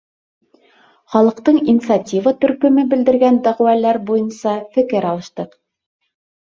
Халыҡтың инициатива төркөмө белдергән дәғүәләр буйынса фекер алыштыҡ.